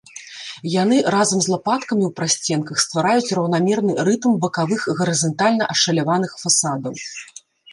Яны разам з лапаткамі ў прасценках ствараюць раўнамерны рытм бакавых гарызантальна ашаляваных фасадаў.